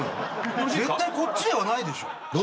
絶対こっちではないでしょ。